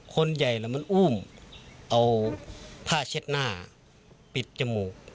คนใหญ่แล้วมันอุ้มเอาผ้าเช็ดหน้าปิดจมูก